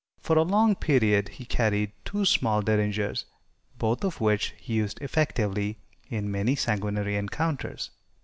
For a long period he carried two small derringers, both of which he used effectively in many sanguinary encounters.